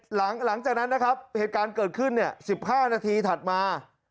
หลังจากนั้นนะครับเหตุการณ์เกิดขึ้น๑๕นาทีถัดมา